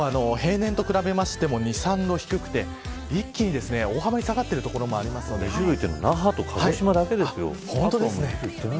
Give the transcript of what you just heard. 今日は平年と比べましても２、３度低くて一気に大幅に下がっている所もあるので那覇と鹿児島だけですよ。